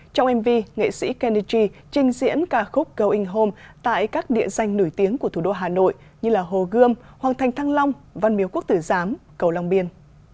trong mv nghệ sĩ kennedy trình diễn ca khúc going home tại các địa danh nổi tiếng của thủ đô hà nội như hồ gươm hoàng thành thăng long văn miếu quốc tử giám cầu long biên